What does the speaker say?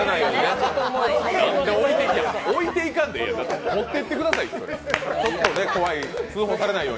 置いていかんでええやん、持っていってくださいよ。